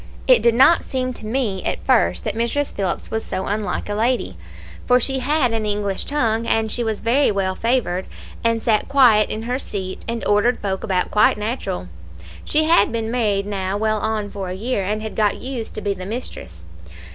"It did not seem to me at first that Mrs. Phillips was so unlike a lady, for she had an English tongue, and she was very well favoured, and sat quiet in her seat, and ordered folk about quite natural. She had been married now well on for a year, and had got used to be the mistress.